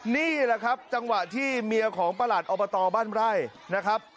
นี่แหละครับจังหวะที่เมียของประหลัดอบตบ้านไร่นะครับ